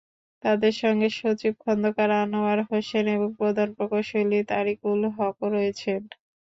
তাঁদের সঙ্গে সচিব খন্দকার আনোয়ার হোসেন এবং প্রধান প্রকৌশলী তারিকুল হকও রয়েছেন।